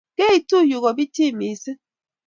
Keitu yu ko pichiy mising